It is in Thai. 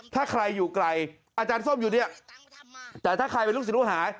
ถ้าใครอยู่ไกลอาจารย์ส้มอยู่เนี่ยแต่ถ้าใครเป็นลูกศิษย์ลูกหา